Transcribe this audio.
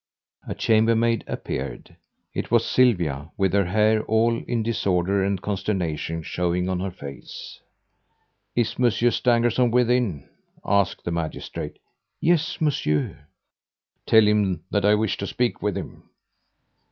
A chambermaid appeared. It was Sylvia, with her hair all in disorder and consternation showing on her face. "Is Monsieur Stangerson within?" asked the magistrate. "Yes, Monsieur." "Tell him that I wish to speak with him."